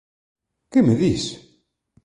Que me dis!